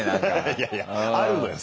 いやいやあるのよ